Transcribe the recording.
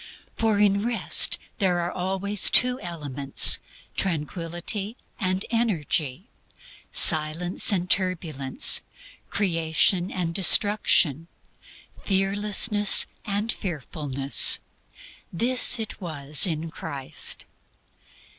For in Rest there are always two elements tranquillity and energy; silence and turbulence; creation and destruction; fearlessness and fearfulness. This it was in Christ.